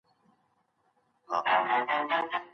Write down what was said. آیا د مېرمنو لپاره د ګاڼو صدقه ور کول ډېر ثواب لري؟